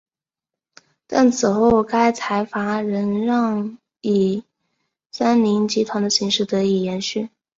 但此后该财阀仍以三菱集团的形式得以延续。